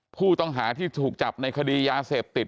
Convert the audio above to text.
ผู้ต้องหาที่ถูกจับในคดียาเสพติด